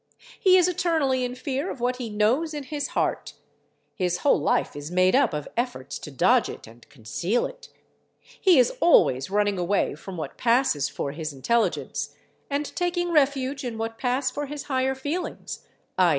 He is eternally in fear of what he knows in his heart; his whole life is made up of efforts to dodge it and conceal it; he is always running away from what passes for his intelligence and taking refuge in what pass for his higher feelings, _i.